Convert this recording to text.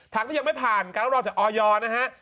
ทั้งที่ยังไม่ผ่านการรับรองจากออยนะฮะ